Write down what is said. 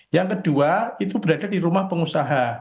yang kedua itu berada di rumah pengusaha